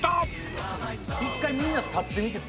１回みんな立ってみて。